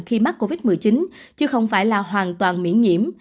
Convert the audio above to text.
khi mắc covid một mươi chín chứ không phải là hoàn toàn miễn nhiễm